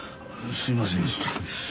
すいませんでした。